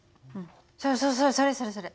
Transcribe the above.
そうそうそうそれそれそれ。